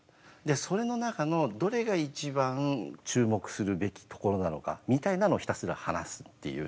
それの中のどれが一番注目するべきところなのかみたいなのをひたすら話すっていう。